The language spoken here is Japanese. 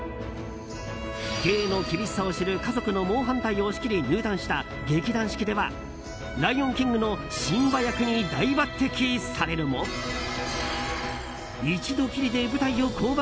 芸の厳しさを知る家族の猛反対を押し切り入団した劇団四季では「ライオンキング」のシンバ役に大抜擢されるも一度きりで舞台を降板。